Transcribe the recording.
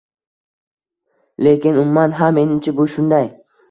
Lekin, umuman, ha, menimcha, bu shunday.